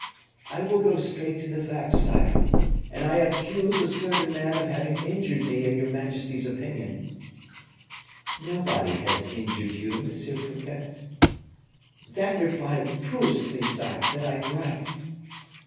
"I will go straight to the facts, sire; and I accuse a certain man of having injured me in your majesty's opinion." "Nobody has injured you, Monsieur Fouquet." "That reply proves to me, sire, that I am right."